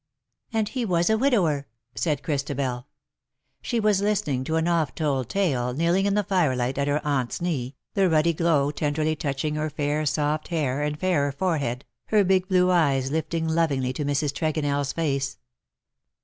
^^ And he was a widower/^ said Christabel. She was listening to an oft told tale_, kneeling in the firelight, at her aunt^s knee, the ruddy glow tenderly touching her fair soft hair and fairer fore head, her big blue eyes lifted lovingly to Mrs. TregonelFs face.